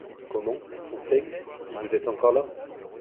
Comment, Fonsègue, vous êtes encore là?